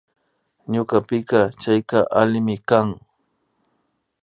Ñukapika chayka allimi kan